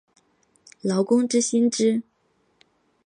劳工之薪资